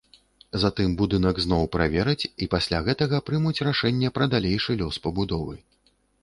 Затым будынак зноў правераць і пасля гэтага прымуць рашэнне пра далейшы лёс пабудовы.